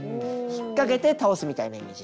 引っ掛けて倒すみたいなイメージです。